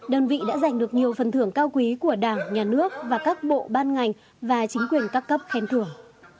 đơn vị đã giành được nhiều phần thưởng cao quý của đảng nhà nước và các bộ ban ngành và chính quyền các cấp khen thưởng